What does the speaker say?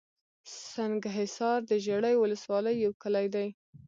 سنګحصار دژړۍ ولسوالۍ يٶ کلى دئ